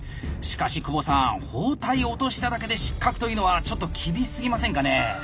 しかし久保さん包帯を落としただけで失格というのはちょっと厳しすぎませんかね？